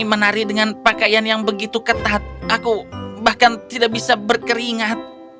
menari dengan pakaian yang begitu ketat aku bahkan tidak bisa berkeringat